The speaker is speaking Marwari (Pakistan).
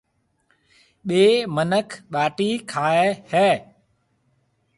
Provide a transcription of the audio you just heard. ٻَي مِنک ٻاٽِي کائي هيَ۔